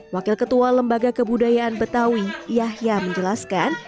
wakil ketua lembaga kebudayaan betawi yahya menjelaskan